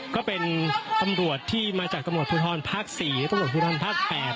ก็เป็นตำรวจที่มาจากตำรวจภูทรภาค๔และตำรวจภูทรภาค๘